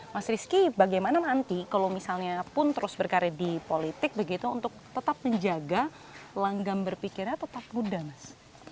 mas rizky bagaimana nanti kalau misalnya pun terus berkarir di politik begitu untuk tetap menjaga langgam berpikirnya tetap muda mas